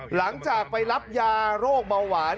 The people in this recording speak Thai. หลังจากไปรับยาโรคเบาหวาน